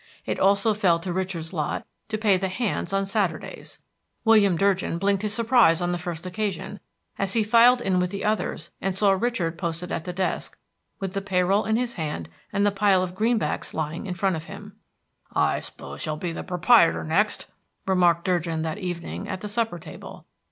It also fell to Richard's lot to pay the hands on Saturdays. William Durgin blinked his surprise on the first occasion, as he filed in with the others and saw Richard posted at the desk, with the pay roll in his hand and the pile of greenbacks lying in front of him. "I suppose you'll be proprietor next," remarked Durgin, that evening, at the supper table.